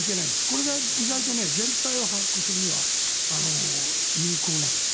これが意外と全体を把握するには有効なんです。